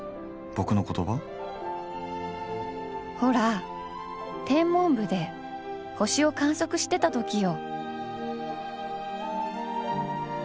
ほら天文部で星を観測してた時よ。